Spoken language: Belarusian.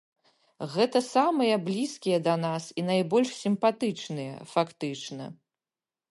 Гэта самыя блізкія да нас і найбольш сімпатычныя, фактычна.